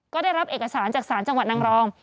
ก็ได้รับเอกสารจากศาลจังหวัดนางรอง